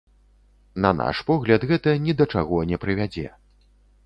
На наш погляд, гэта ні да чаго не прывядзе.